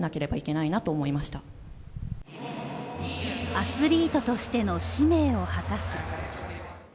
アスリートとしての使命を果たす。